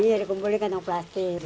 iya dikumpulin kandang plastik